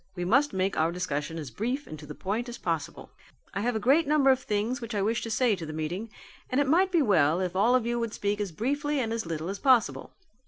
We must make our discussion as brief and to the point as possible. I have a great number of things which I wish to say to the meeting and it might be well if all of you would speak as briefly and as little as possible.